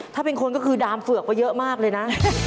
ถ้าเป็นคนก็คือดามเฝือกไปเยอะมากเลยนะ